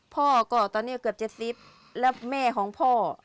พ่อก็ตอนนี้เกือบ๗๐แล้วแม่ของพ่อ